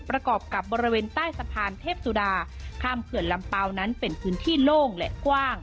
ประกอบกับบริเวณใต้สะพานเทพสุดาข้ามเขื่อนลำเปล่านั้นเป็นพื้นที่โล่งและกว้าง